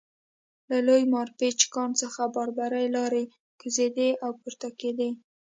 له لوی مارپیچ کان څخه باربري لارۍ کوزېدې او پورته کېدې